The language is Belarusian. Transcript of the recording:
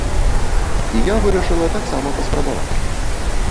І я вырашыла таксама паспрабаваць.